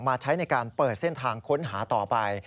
ใช้ในการเปิดเส้นทางค้นหาต่อไป